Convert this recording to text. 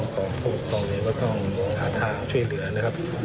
ของผู้ปกครองเองก็ต้องหาทางช่วยเหลือนะครับ